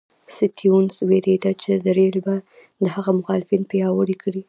سټیونز وېرېده چې رېل به د هغه مخالفین پیاوړي کړي.